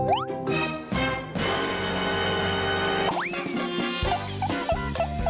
วิธีแบบไหนไปดูกันเล็ก